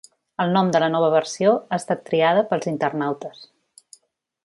El nom de la nova versió ha estat triada pels internautes.